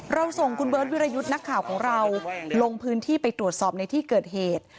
ส่งคุณเบิร์ตวิรยุทธ์นักข่าวของเราลงพื้นที่ไปตรวจสอบในที่เกิดเหตุ